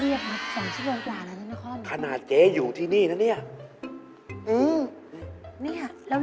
อย่าพลั้งก่อนล่ะ